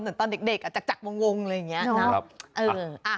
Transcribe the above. เหมือนตอนเด็กอะจักหน่วงเลยอย่างนี้นะ